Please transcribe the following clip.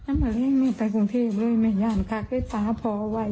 แม่ยามเขาไม่ไปกรุงเทศเลยแม่ยามคาดใกล้จาพอไว